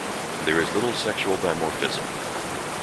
There is little sexual dimorphism.